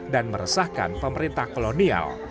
dan meresahkan pemerintah kolonial